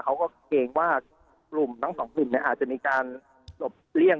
เขาก็เกรงว่ากลุ่มทั้งสองกลุ่มเนี่ยอาจจะมีการหลบเลี่ยง